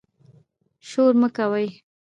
شور مه کوئ